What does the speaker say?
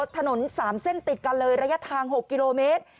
ถนน๓เส้นติดกันเลยระยะทาง๖กิโลเมตร